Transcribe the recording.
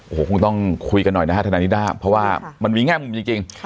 โอ้โหคงต้องคุยกันหน่อยนะฮะทนายนิด้าเพราะว่ามันมีแง่มุมจริง